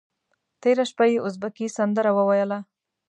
تېره شپه یې ازبکي سندره وویله.